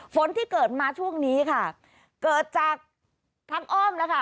ฝนที่เกิดมาช่วงนี้ค่ะเกิดจากทางอ้อมนะคะ